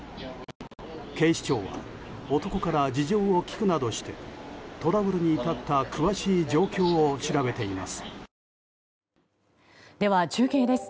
警視庁は男から事情を聴くなどしてトラブルに至った詳しい状況を調べています。